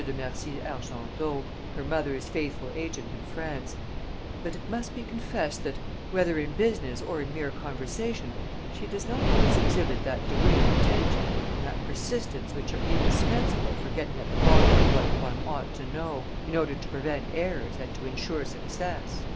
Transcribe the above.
de Mercy Argenteau, her mother's faithful agent in France; "but it must be confessed that, whether in business or in mere conversation, she does not always exhibit that degree of attention and that persistence which are indispensable for getting at the bottom of what one ought to know, in order to prevent errors and to insure success."